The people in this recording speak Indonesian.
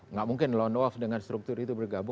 nggak mungkin lone wolf dengan struktur itu bergabung